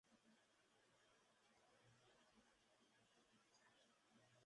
Representa a su país en eventos literarios organizados en Venezuela, España y Bulgaria.